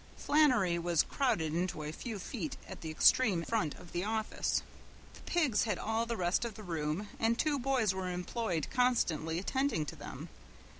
Flannery was crowded into a few feet at the extreme front of the office. The pigs had all the rest of the room and two boys were employed constantly attending to them.